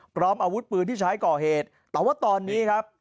พร้อมอาวุธปืนที่ใช้ก่อเหตุแต่ว่าตอนนี้ครับ